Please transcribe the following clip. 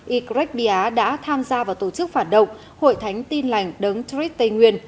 ycret bia đã tham gia vào tổ chức phản động hội thánh tin lành đấng trích tây nguyên